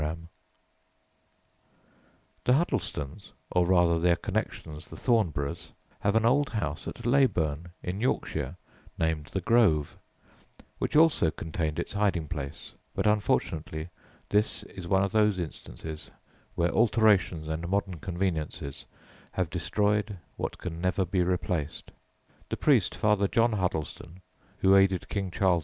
[Illustration: OXBURGH HALL, NORFOLK] The Huddlestons, or rather their connections the Thornboroughs, have an old house at Leyburn, in Yorkshire, named "The Grove," which also contained its hiding place, but unfortunately this is one of those instances where alterations and modern conveniences have destroyed what can never be replaced. The priest, Father John Huddleston (who aided King Charles II.